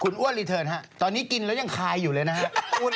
คุณอ้วนรีเทิร์นฮะตอนนี้กินแล้วยังคายอยู่เลยนะฮะ